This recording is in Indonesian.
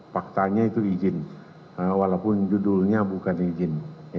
faktanya itu izin walaupun judulnya bukan izin